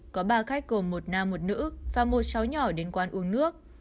có ba khách gồm một nam một nữ và một cháu nhỏ đến quán uống nước